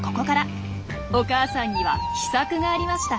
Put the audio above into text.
お母さんには秘策がありました。